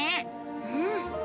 うん。